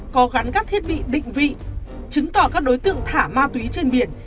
có gắn các thiết bị định vị chứng tỏ các đối tượng thả ma túy trên biển